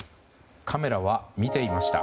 カメラは見ていました。